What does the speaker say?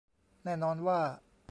แน่นอนว่า